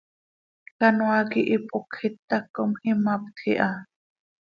Canoaa quih ipocj itac com imaptj iha.